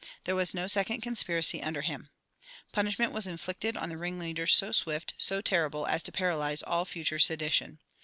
There was no second conspiracy under him. Punishment was inflicted on the ringleaders so swift, so terrible, as to paralyze all future sedition.